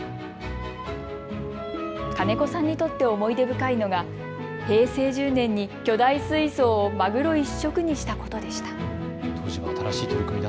金子さんにとって思い出深いのが平成１０年に巨大水槽をマグロ一色にしたことでした。